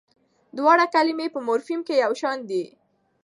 دواړه کلمې په مورفیم کې یوشان دي.